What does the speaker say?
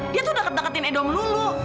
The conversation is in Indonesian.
dia tuh udah kedekatin edo melulu